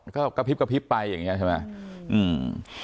ก็กระพริบไปอย่างนี้ใช่ไหม